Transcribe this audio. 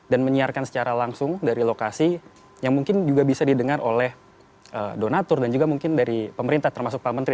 dan menyiarkan secara langsung dari lokasi yang mungkin juga bisa didengar oleh donatur dan juga mungkin dari pemerintah termasuk pak menteri